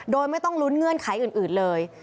โดยไม่ต้องลุ้นเงื่อนไขอื่นเลย